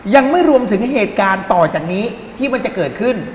ยังไม่รวมถึงเหตุการณ์ต่อจากนี้